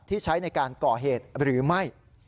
ใช้ในการก่อเหตุหรือไม่